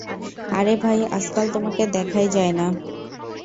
আরে ভাই, আজকাল তোমাকে দেখায় যায় না!